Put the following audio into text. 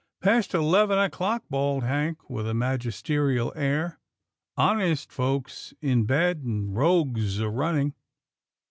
" Past eleven o'clock," bawled Hank with a magisterial air, " honest folks in bed, and rogues a running.